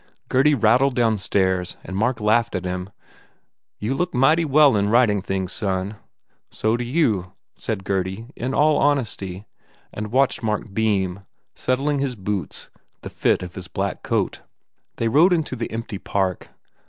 Gurdy rattled downstairs and Mark laughed at him, "You look mighty well in ridin things, son!" u So do you/ said Gurdy, in all honesty, and watched Mark beam, settling his boots, the fit of his black coat. They rode into the empty Park.